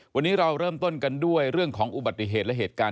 วันนี้เราเริ่มต้นกันด้วยเรื่องของอุบัติเหตุและเหตุการณ์